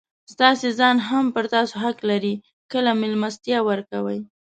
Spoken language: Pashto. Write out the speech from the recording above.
ستاسي ځان هم پر تاسو حق لري؛ کله مېلمستیا ورکوئ!